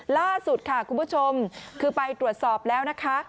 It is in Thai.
ล่าสุดค่ะคุณผู้ชมคือไปตรวจสอบแล้วนะคะ